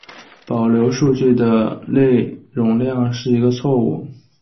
保留数据的容量是一个错误。